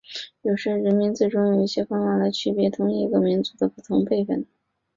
有些人名字中用一些方法来区别同一个家族的不同辈分。